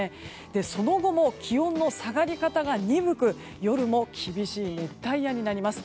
その後も気温の下がり方が鈍く夜も厳しい熱帯夜になります。